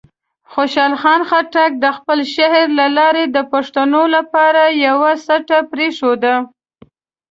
خوشحال خان خټک د خپل شعر له لارې د پښتنو لپاره یوه سټه پرېښوده.